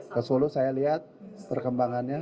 ke solo saya lihat perkembangannya